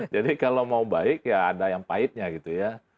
jadi kalau mau baik ya ada yang pahitnya gitu ya